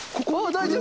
大丈夫。